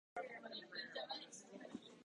最悪な環境